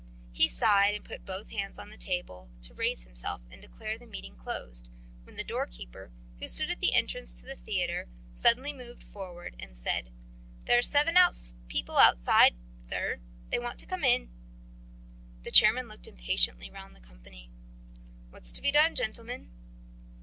He sighed and put both his hands on the table to raise himself and declare the meeting closed, when the doorkeeper, who stood at the entrance to the theatre, suddenly moved forward and said: "There are seven people outside, sir. They want to come in." The chairman looked impatiently round the company. "What is to be done, gentlemen?"